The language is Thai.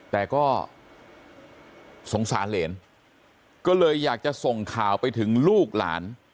แต่ก็สงสารเหรนก็เลยอยากจะส่งข่าวไปถึงลูกหลาน